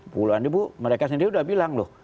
puluhan ribu mereka sendiri udah bilang loh